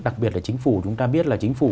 đặc biệt là chính phủ chúng ta biết là chính phủ